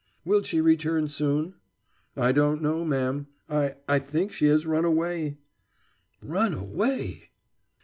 "Will she return soon?" "I don't know, ma'm I I think she has run away." "Run away!"